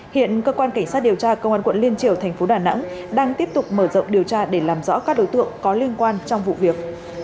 hiện cơ quan cảnh sát điều tra công an quận liên triều thành phố đà nẵng đang tiếp tục mở rộng điều tra để làm rõ các đối tượng có liên quan trong vụ việc